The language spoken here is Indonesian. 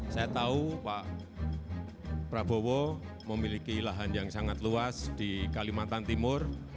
saya tahu pak prabowo memiliki lahan yang sangat luas di kalimantan timur